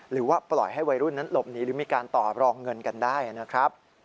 หรือว่าปล่อยให้วัยรุ่นนั้นหลบหนีหรือมีการต่อรองเงินกันได้นะครับ